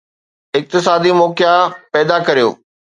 اقتصادي موقعا پيدا ڪريو.